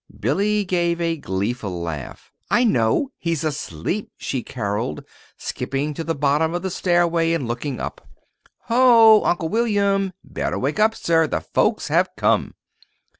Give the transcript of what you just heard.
Billy gave a gleeful laugh. "I know he's asleep!" she caroled, skipping to the bottom of the stairway and looking up. "Ho, Uncle William! Better wake up, sir. The folks have come!"